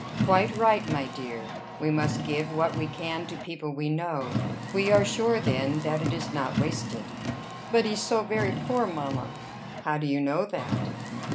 "Quite right, my dear. We must give what we can to people we know. We are sure then that it is not wasted." "But he's so very poor, mamma!" "How do you know that?"